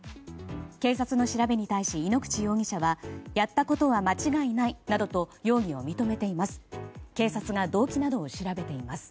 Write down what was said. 警察の調べに対し井ノ口容疑者はやったことは間違いないなどと容疑を認めています。